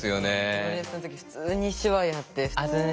プロレスの時普通に手話やって普通に。